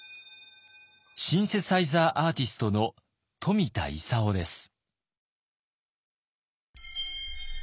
シンセサイザー・アーティストの冨田勲です。